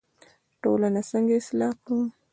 ټولنه څنګه اصلاح کړو؟